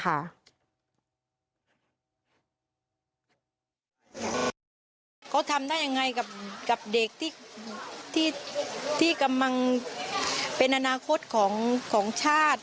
เขาทำได้ยังไงกับเด็กที่กำลังเป็นอนาคตของชาติ